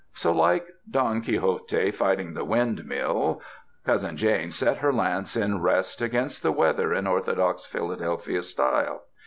So like Don Quixote fighting the windmill. Cousin Jane set her lance in rest against the weather in orthodox Philadelphia style.